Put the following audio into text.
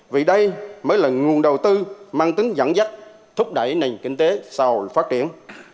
vì đây mới là nguồn đầu tư mang tính dẫn dắt thúc đẩy nền kinh tế sau phát triển